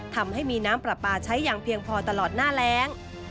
ทำให้มีน้ำปลาปลาใช้อย่างเพียงพอตลอดหน้าแรง